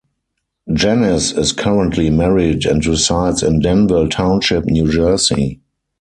Janice is currently married and resides in Denville Township, New Jersey.